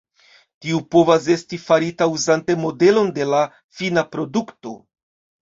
Tiu povas esti farita uzante modelon de la fina produkto.